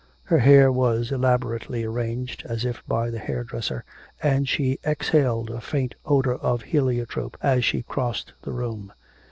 Her hair was elaborately arranged, as if by the hairdresser, and she exhaled a faint odour of heliotrope as she crossed the room.